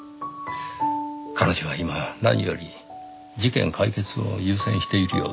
彼女は今何より事件解決を優先しているようです。